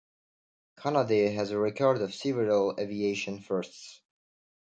Canadair has a record of several aviation firsts.